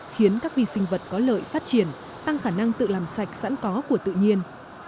khiến các vi sinh vật có lợi phát triển tăng khả năng tự làm sạch sẵn có của tự nhiên